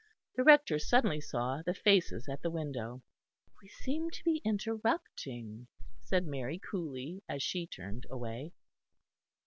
The Rector suddenly saw the faces at the window. "We seem to be interrupting," said Mary coolly, as she turned away.